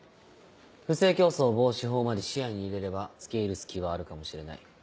不正競争防止法まで視野に入れれば付け入る隙はあるかもしれない。